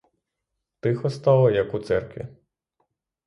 Тихо стало, як у церкві.